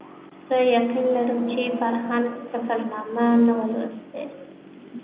زه یقین لرم چې فرهنګ سفرنامه نه وه لوستې.